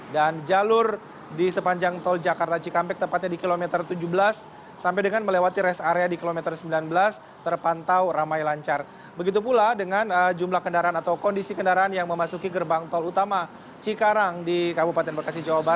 dan jalur di sepanjang tol jakarta cikampek